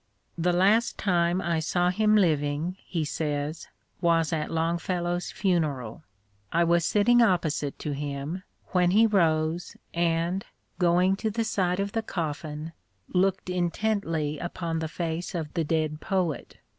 *' The last time I saw him living," he says, " was at Long fellow's funeral. I was sitting opposite to him, when he rose and, going to the side of the coffin, looked intently upon the face of the dead poet.